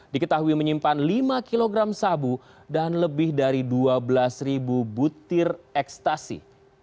diketahui menyimpan lima kg sabu dan lebih dari dua belas butir ekstasi